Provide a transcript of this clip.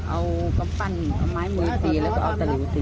เอากำปั้นเอาไม้มือตีแล้วก็เอาตะหลิวตี